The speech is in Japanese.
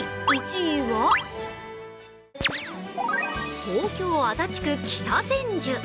第１位は東京・足立区北千住。